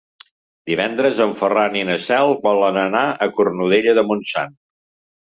Divendres en Ferran i na Cel volen anar a Cornudella de Montsant.